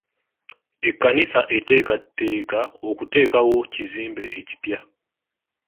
Ekkanisa eteekateeka okuteekawo kizimbe ekipya.